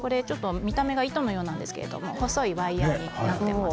見た目が糸のようですが細いワイヤーになっています。